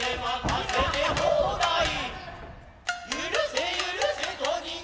はい。